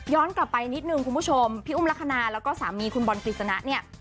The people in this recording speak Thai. ย้อนกลับไปนิดนึงคุณผู้ชมพี่อุ้มลัคคณาและสามีคุณบอนกริษณะเนี่ย